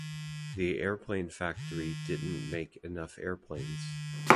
The airplane factory didn't make enough airplanes.